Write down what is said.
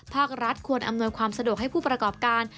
ภาครัฐควรอำนวยความสะดวกให้ผู้ประกอบการ